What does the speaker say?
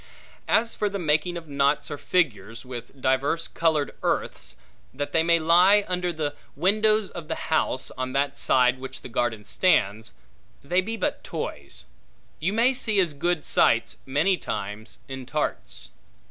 As for the making of knots or figures, with divers colored earths, that they may lie under the windows of the house on that side which the garden stands, they be but toys; you may see as good sights, many times, in tarts.